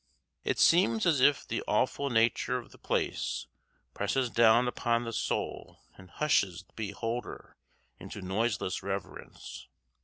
It seems as if the awful nature of the place presses down upon the soul and hushes the beholder into noiseless reverence.